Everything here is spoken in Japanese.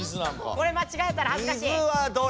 これまちがえたらはずかしい。